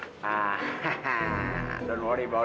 kamu benar benar bikin saya rugi